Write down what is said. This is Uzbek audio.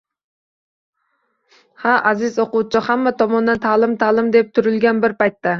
Ha, aziz o‘quvchi, hamma tomondan «ta’lim, ta’lim» deb turilgan bir paytda